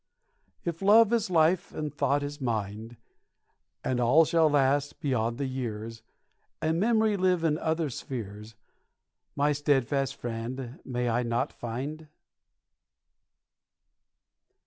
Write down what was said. If love is life and thought is mind, And all shall last beyond the years, And memory live in other spheres, My steadfast friend may I not find?